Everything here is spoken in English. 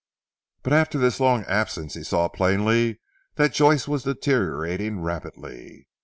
But after this long absence he saw plainly that Joyce was deteriorating rapidly.